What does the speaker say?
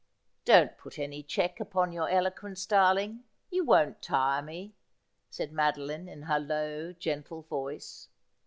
' Don't put any check upon your eloquence, darling. You won't tire nie,' said Madeline in her low gentle voice.